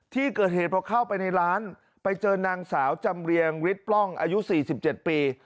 ที่เกิดเหตุเพราะเข้าไปในร้านไปเจอนางสาวจำเรียงฤทธิ์ปล้องอายุสี่สิบเจ็ดปี